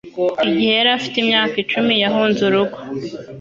Igihe yari afite imyaka icumi yahunze urugo